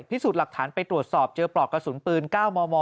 พิสูจน์หลักฐานไปตรวจสอบเจอปลอกกระสุนปืน๙มม